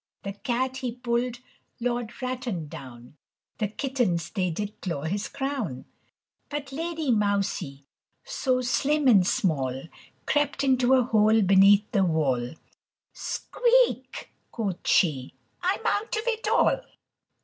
The cat he pulled Lord Ratton down, The kittens they did claw his crown. But Lady Mousie, so slim and small, Crept into a hole beneath the wall; "Squeak," quoth she, "I'm out of it all."